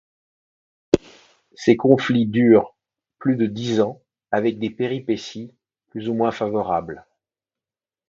Ces conflits durent plus de dix ans, avec des péripéties plus ou moins favorables.